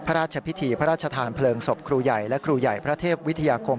พระราชพิธีพระราชทานเพลิงศพครูใหญ่และครูใหญ่พระเทพวิทยาคม